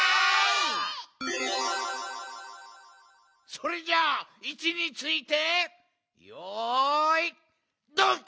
それじゃあいちについてよいドンカッパ！